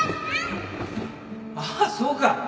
ああそうか。